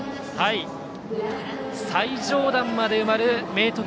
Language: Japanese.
最上段まで埋まる明徳